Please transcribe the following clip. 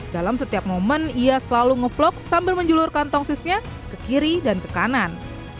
dalam setiap momen ia selalu nge vlog sambil menjulurkan tongsisnya ke kiri dan ke kanan